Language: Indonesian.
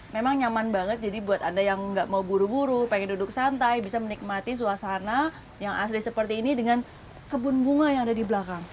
memang nyaman banget jadi buat anda yang nggak mau buru buru pengen duduk santai bisa menikmati suasana yang asli seperti ini dengan kebun bunga yang ada di belakang